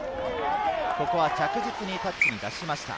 ここは着実にタッチに出しました。